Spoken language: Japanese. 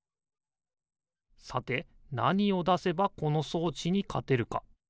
さてなにをだせばこのそうちにかてるか。